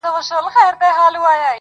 هغې ته هر څه بند ښکاري او فکر ګډوډ وي,